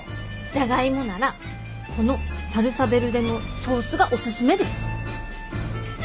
じゃがいもならこのサルサ・ヴェルデのソースがおすすめです。